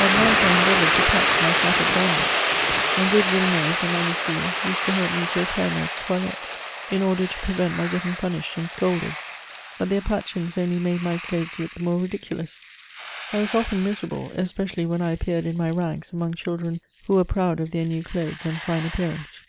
At night, I endeavoured to patch my tattered garments, and good Villeneuve and my Lucile used to help me to repair my toilette^ in order to pre vent my getting punished and scolded ; hut their patchings only made my clothes look the more ridiculous. I was often miserable , especially when I appeared in my rags among children who were proud of their new clothes and fine appearance.